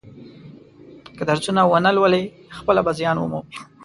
که درسونه و نه لولي خپله به زیان و مومي.